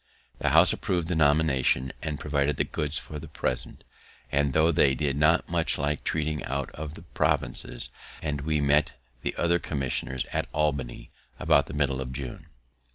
The House approv'd the nomination, and provided the goods for the present, and tho' they did not much like treating out of the provinces; and we met the other commissioners at Albany about the middle of June.